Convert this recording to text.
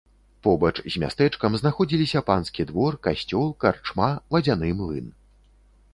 Побач з мястэчкам знаходзіліся панскі двор, касцёл, карчма, вадзяны млын.